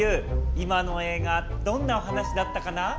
今の映画どんなお話だったかな？